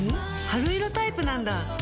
春色タイプなんだ。